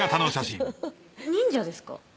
忍者ですか？